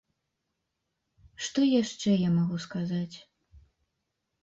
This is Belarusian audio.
Што яшчэ я магу сказаць?